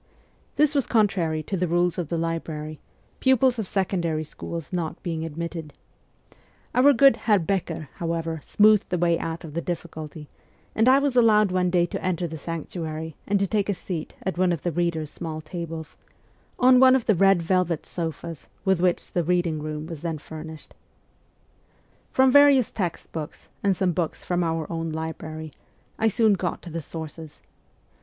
This was contrary to the rules of the library, pupils of secondary schools not being admitted ; our good Herr Becker, however, smoothed the way out of the difficulty, and I was allowed one day to enter the sanctuary and to take a seat at one of the readers' small tables, on one of the red velvet sofas with which the reading room was then furnished. From various text books and some books from our own library, I soon got to the sources.